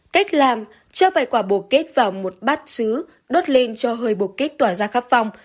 cách làm cho vài quả bổ kết vào một bát xứ đốt lên cho hơi bổ kết tỏa ra khắp phòng